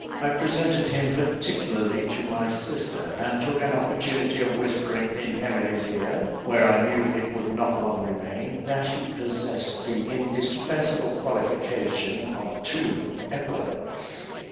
I presented him particularly to my sister, and took an opportunity of whispering in Emily's ear, where I knew it would not long remain, that he possessed the indispensable qualification of two epaulettes.